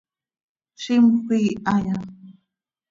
¿Zímjöc iihaya?